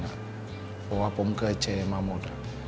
เพราะว่าผมเคยเจอมาหมด